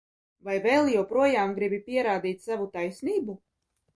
Vai vēl joprojām gribi pierādīt savu taisnību?